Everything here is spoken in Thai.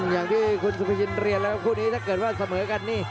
อย่างที่คุณซุปลิชินเรียนเค้าแล้วกับคู่นี้ถ้าเกิดเหมือกัน